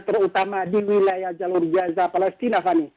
terutama di wilayah jalur gaza palestina fani